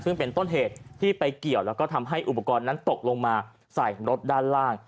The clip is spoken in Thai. ซึ่งเป็นต้นเหตุที่ไปเกี่ยวแล้วก็ทำให้อุปกรณ์นั้นตกลงมาใส่รถด้านล่าง